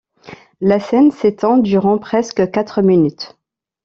La scène s'étend durant presque quatre minutes.